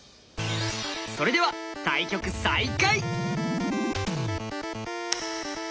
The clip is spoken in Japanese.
それでは対局再開。